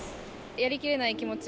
やりきれない気持ち。